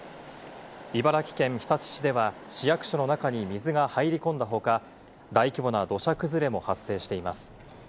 茨城県日立市では、市役所の中に水が入り込んだほか、大規模な土砂崩れも発生しています。